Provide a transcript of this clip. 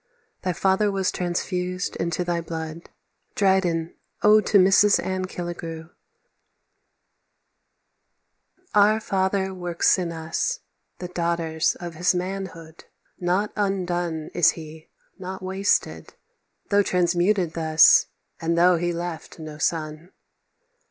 "Thy father was transfused into thy blood." Dryden: Ode to Mrs. Anne Killigrew. Our father works in us, The daughters of his manhood. Not undone Is he, not wasted, though transmuted thus, And though he left no son.